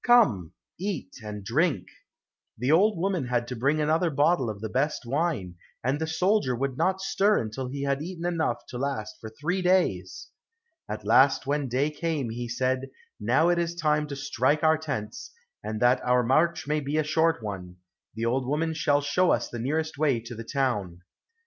Come, eat and drink." The old woman had to bring another bottle of the best wine, and the soldier would not stir until he had eaten enough to last for three days. At last when day came, he said, "Now it is time to strike our tents, and that our march may be a short one, the old woman shall show us the nearest way to the town."